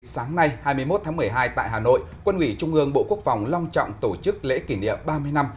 sáng nay hai mươi một tháng một mươi hai tại hà nội quân ủy trung ương bộ quốc phòng long trọng tổ chức lễ kỷ niệm ba mươi năm